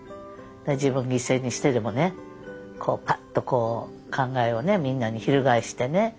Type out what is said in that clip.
自分を犠牲にしてでもねぱっとこう考えをみんなに翻してね